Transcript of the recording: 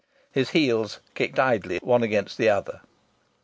His heels kicked idly one against the other.